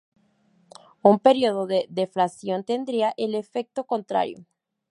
Un período de deflación tendría el efecto contrario.